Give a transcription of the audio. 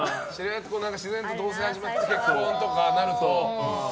自然と同棲が始まってとかなると。